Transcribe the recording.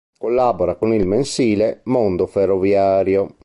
Collabora con il mensile "Mondo Ferroviario".